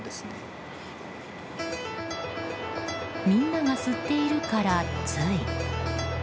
みんなが吸っているからつい。